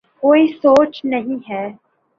کوئی سوچ نہیں ہے۔